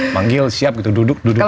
manggil siap gitu duduk duduk